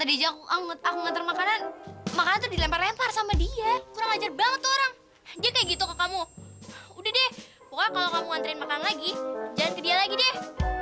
dia kayak gitu ke kamu udah deh pokoknya kalau kamu ngantriin makan lagi jangan ke dia lagi deh